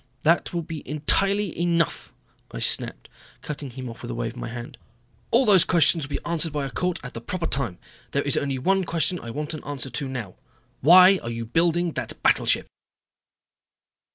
"That will be entirely enough," I snapped, cutting him off with a wave of my hand. "All those questions will be answered by a court at the proper time. There is only one question I want an answer to now. Why are you building that battleship?"